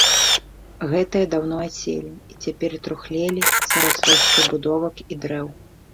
Гэтыя даўно аселі і цяпер трухлелі сярод сваіх прыбудовак і дрэў.